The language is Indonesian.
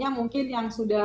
ya ampun ya